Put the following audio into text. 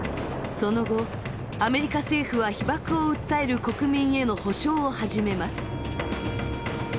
その後アメリカ政府は被ばくを訴える国民への補償を始めます。